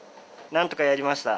なんとかやりました。